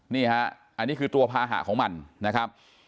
นี่ฮะอันนี้คือตัวภาหะของมันนะครับ